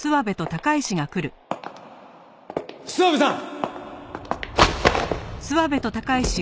諏訪部さん！